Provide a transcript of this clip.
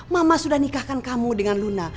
mama sudah nikahkan kamu dengan luna